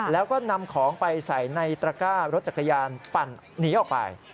แล้วก็นำของไปใส่ในตระก้ารถจักรยานปั่นหนีออกไป